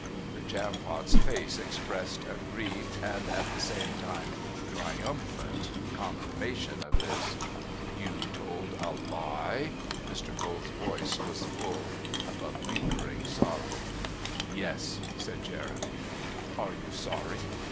The Jampot's face expressed a grieved and at the same time triumphant confirmation of this. "You told a lie?" Mr. Cole's voice was full of a lingering sorrow. "Yes," said Jeremy. "Are you sorry?"